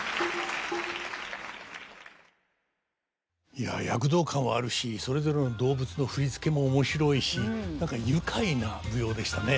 いや躍動感はあるしそれぞれの動物の振付も面白いし何か愉快な舞踊でしたね。